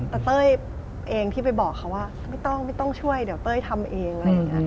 แต่เต้ยเองที่ไปบอกเขาว่าไม่ต้องช่วยเดี๋ยวเต้ยทำเอง